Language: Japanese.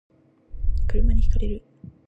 車に轢かれる